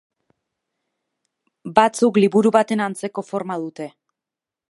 Batzuk, liburu baten antzeko forma dute.